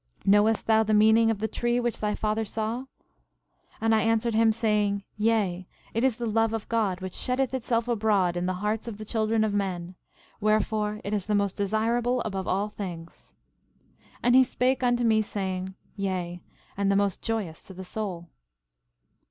Knowest thou the meaning of the tree which thy father saw? 11:22 And I answered him, saying: Yea, it is the love of God, which sheddeth itself abroad in the hearts of the children of men; wherefore, it is the most desirable above all things. 11:23 And he spake unto me, saying: Yea, and the most joyous to the soul.